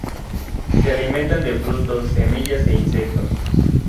Se alimentan de frutos, semillas e insectos.